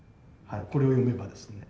これを読めばですね。